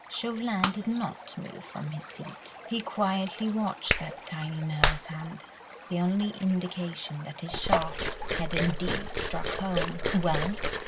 Chauvelin did not move from his seat; he quietly watched that tiny nervous hand, the only indication that his shaft had indeed struck home. "Well?"